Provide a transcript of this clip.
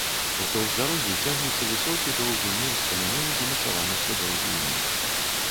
Уздоўж дарогі цягнецца высокі доўгі мур з камянёў, змацаваных рудой глінай.